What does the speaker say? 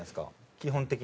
基本的に。